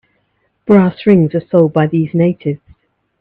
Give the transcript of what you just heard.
Brass rings are sold by these natives.